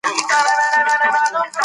خلک به زموږ په پیاده تګ پورې وخاندي.